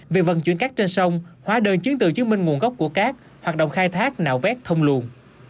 về vận chuyển cát trên sông hóa đơn chứng từ chứng minh nguồn gốc của các hoạt động khai thác nạo vét thông luồn